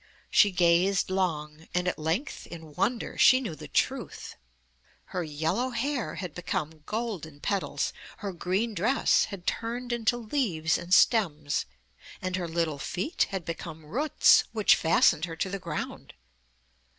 She gazed long, and at length in wonder she knew the truth. Her yellow hair had become golden petals, her green dress had turned into leaves and stems, and her little feet had become roots which fastened her to the ground.